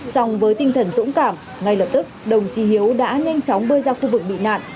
xong với tinh thần dũng cảm ngay lập tức đồng chí hiếu đã nhanh chóng bơi ra khu vực bị nạn